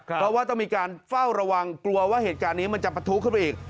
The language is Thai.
เพราะว่าต้องมีการเฝ้าระวังกลัวว่าเหตุการณ์นี้มันจะประทุขึ้นมาอีก